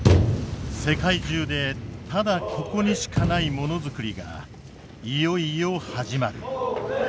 世界中でただここにしかないものづくりがいよいよ始まる。